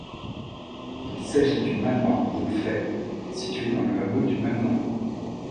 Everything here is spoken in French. Il s'agit du manoir d'Auffay, situé dans la hameau du même nom.